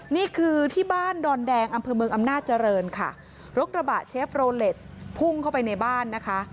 นี่คือที่บ้านดอนแดงอำเภอเมืองอำนาจเจริญค่ะรถกระบะเชฟโรเล็ตพุ่งเข้าไปในบ้านนะคะ